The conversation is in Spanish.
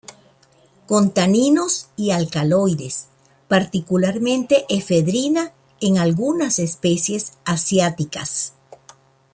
Con taninos y alcaloides, particularmente efedrina en algunas especies asiáticas.